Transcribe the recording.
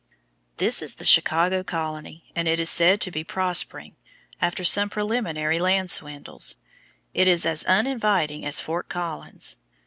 This is the "Chicago Colony," and it is said to be prospering, after some preliminary land swindles. It is as uninviting as Fort Collins.